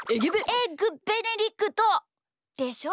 エッグベネディクトでしょ。